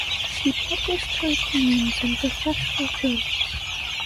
She published her opinions in professional journals.